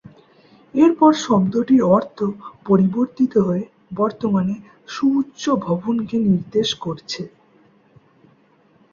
এরপর শব্দটির অর্থ পরিবর্তিত হয়ে বর্তমানে সুউচ্চ ভবনকে নির্দেশ করছে।